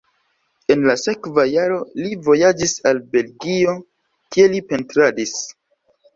En la sekva jaro li vojaĝis al Belgio, kie li pentradis.